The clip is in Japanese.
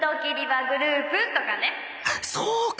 そうか！